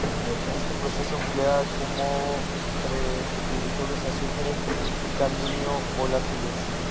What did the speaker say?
Este proceso emplea como precursores azufre y cadmio volátiles.